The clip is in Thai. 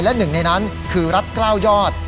และหนึ่งในนั้นคือรัฐกล้าวยอด